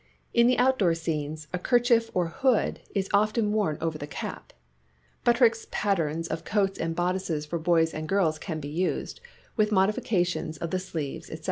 In the outdoor scenes, a kerchief or hood is often worn over the cap. Butterick's patterns of coats and bodices for boys and girls can be used, with modifications of sleeves, &c.